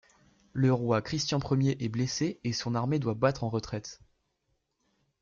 Le roi Christian Ier est blessé et son armée doit battre en retraite.